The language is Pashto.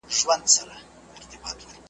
سره لمبه سم چي نه وینې نه مي اورې په غوږونو .